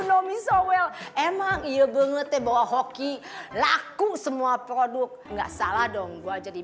know me so well emang iya banget deh bawa hoki laku semua produk gak salah dong gua jadi